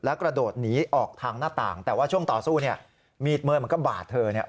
และกระโดดหนีออกทางหน้าตากแต่ช่วงต่อสู้เมียดเมิ็ดบาดเค้า